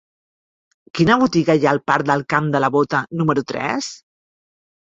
Quina botiga hi ha al parc del Camp de la Bota número tres?